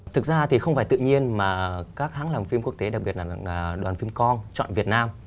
thực ra thì không phải tự nhiên mà các hãng làm phim quốc tế đặc biệt là đoàn phim con chọn việt nam